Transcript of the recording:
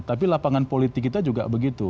tapi lapangan politik kita juga begitu